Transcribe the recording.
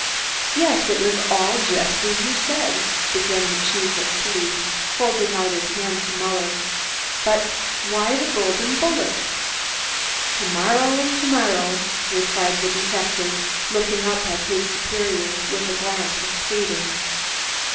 "Yes, it was all just as you said," began the chief of police, holding out his hand to Muller. "But why the golden bullet?" "To morrow, to morrow," replied the detective, looking up at his superior with a glance of pleading.